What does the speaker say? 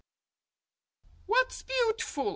"What's beautiful?"